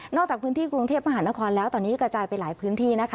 จากพื้นที่กรุงเทพมหานครแล้วตอนนี้กระจายไปหลายพื้นที่นะคะ